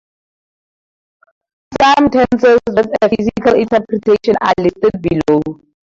Some tensors with a physical interpretation are listed below.